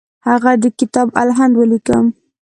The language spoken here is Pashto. هغه د کتاب الهند ولیکه.